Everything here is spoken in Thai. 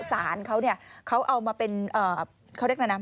สารเขาเนี่ยเขาเอามาเป็นเขาเรียกอะไรนะ